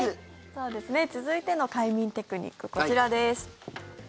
続いての快眠テクニックこちらです。